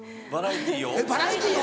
バラエティーを？